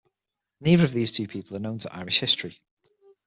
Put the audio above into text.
Neither of these two people are known to Irish history.